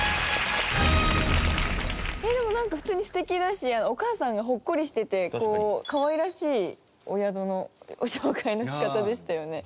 でもなんか普通に素敵だしお母さんがほっこりしててこうかわいらしいお宿のご紹介の仕方でしたよね。